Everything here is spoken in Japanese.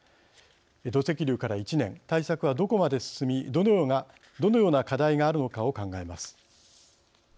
土石流から１年対策はどこまで進みどのような課題があるのかを考えます。